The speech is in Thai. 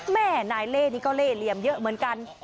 แม่นายเล่นี่ก็เล่เหลี่ยมเยอะเหมือนกัน